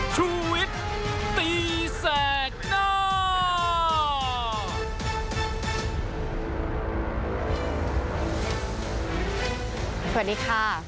ชุวิตตีแสงหน้า